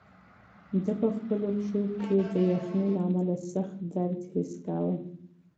ده په خپلو پښو کې د یخنۍ له امله سخت درد حس کاوه.